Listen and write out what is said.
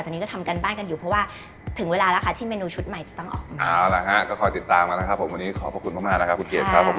ตอนนี้ก็ทำการบ้านกันอยู่เพราะว่าถึงเวลาละคะที่เมนูชุดใหม่ต้องออก